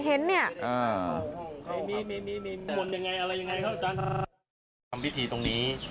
ภารกิจวิธีตรงนี้